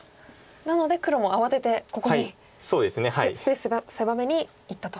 なので黒も慌ててここにスペース狭めにいったと。